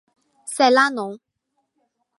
塞拉农。